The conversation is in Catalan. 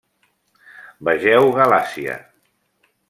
Vegeu Galàcia.